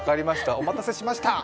お待たせしました。